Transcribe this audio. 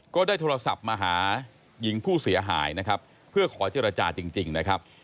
ก็ได้โทรศัพท์มาหาหญิงผู้เสียหายนะครับเพื่อขอเจรจาจริงนะครับ